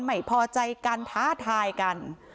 ไม่พอใจกันท้าทายกัน